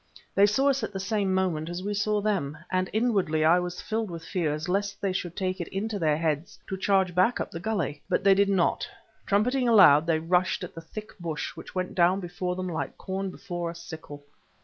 They saw us at the same moment as we saw them, and inwardly I was filled with fears lest they should take it into their heads to charge back up the gully. But they did not; trumpeting aloud, they rushed at the thick bush which went down before them like corn before a sickle.